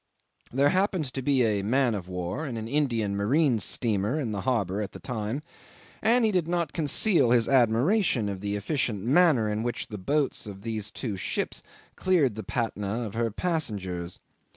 There happened to be a man of war and an Indian Marine steamer in the harbour at the time, and he did not conceal his admiration of the efficient manner in which the boats of these two ships cleared the Patna of her passengers.